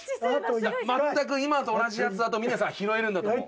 全く今と同じやつだと峰さん拾えるんだと思う。